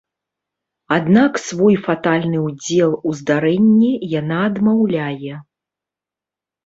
Аднак свой фатальны ўдзел у здарэнні яна адмаўляе.